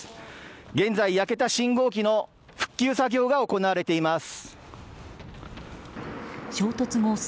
現在、焼けた信号機の復旧作業が行われています。